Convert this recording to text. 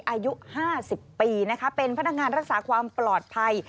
อายุ๕๐ปีนะคะเป็นพนักงานรักษาความปลอดภัย